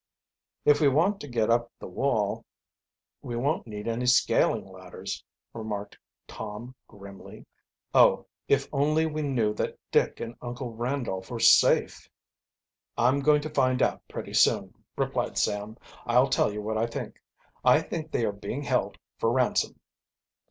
"If we want to get up the wall we won't want any scaling ladders," remarked Tom grimly. "Oh, if only we knew that Dick and Uncle Randolph were safe!" "I'm going to find out pretty soon," replied Sam. "I'll tell you what I think. I think they are being held for ransom."